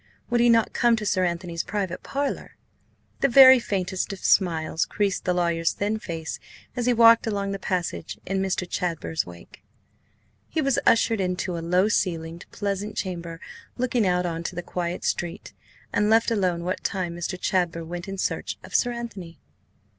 Would he not come to Sir Anthony's private parlour? The very faintest of smiles creased the lawyer's thin face as he walked along the passage in Mr. Chadber's wake. He was ushered into a low ceilinged, pleasant chamber looking out on to the quiet street, and left alone what time Mr. Chadber went in search of Sir Anthony.